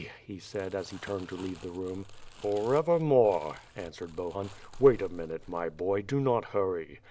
he said, as he turned to leave the room. "Forevermore," answered Bohun. "Wait a minute, my boy, do not hurry.